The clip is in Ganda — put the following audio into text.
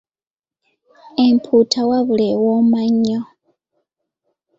Empuuta wabula ewooma nnyo!